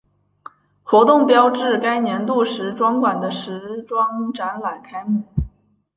活动标志该年度时装馆的时装展览开幕。